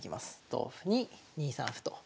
同歩に２三歩と。